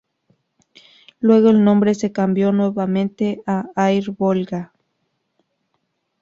Luego el nombre se cambió nuevamente a Air Volga.